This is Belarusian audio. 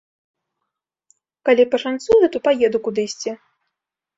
Калі пашанцуе, то паеду кудысьці.